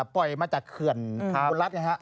ปล่อยมาจากเขื่อนคุณรัฐนะครับ